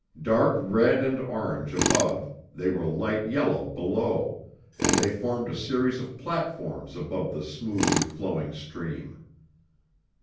Dark red and orange above, they were light yellow below, and they formed a series of platforms above the smoothly flowing stream.